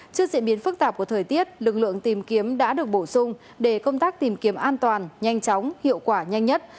trước diễn biến phức tạp của thời tiết lực lượng tìm kiếm đã được bổ sung để công tác tìm kiếm an toàn nhanh chóng hiệu quả nhanh nhất